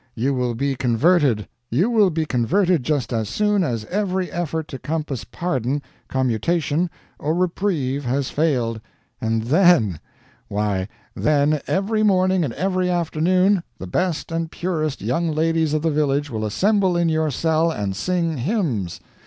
You will be converted you will be converted just as soon as every effort to compass pardon, commutation, or reprieve has failed and then! Why, then, every morning and every afternoon, the best and purest young ladies of the village will assemble in your cell and sing hymns.